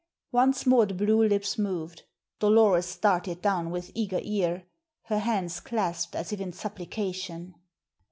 Once more the blue lips moved. Dolores darted down with eager ear, her hands clasped as if in supplication.